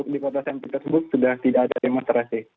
di kota sankt petersburg sudah tidak ada demonstrasi